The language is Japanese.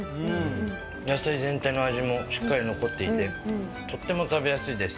野菜全体の味もしっかり残っていて、とっても食べやすいです。